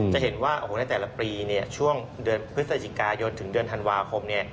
จะเห็นว่าในแต่ละปีช่วงเดือนพฤศจิกายนถึงเดือนธันวาคม